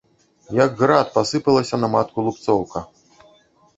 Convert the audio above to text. Як град, пасыпалася на матку лупцоўка.